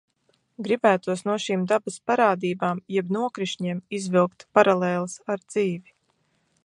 Gribētos no šīm dabas parādībām jeb nokrišņiem izvilkt paralēles ar dzīvi.